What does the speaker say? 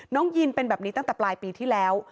ยินเป็นแบบนี้ตั้งแต่ปลายปีที่แล้ว